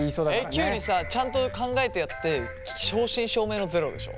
きゅうりさちゃんと考えてやって正真正銘の０でしょ？